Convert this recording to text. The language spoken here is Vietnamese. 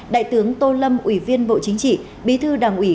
đại tướng tô lâm ủy viên bộ chính trị bí thư đảng ủy